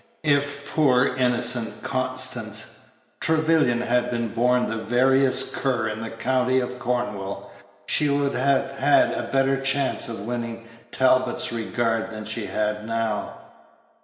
If poor, innocent Constance Treyvellian had been born the veriest cur in the county of Cornwall, she would have had a better chance of winning Talbot's regard than she had now.